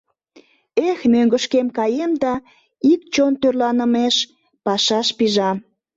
Эх, мӧҥгышкем каем да, ик чон тӧрланымеш, пашаш пижам...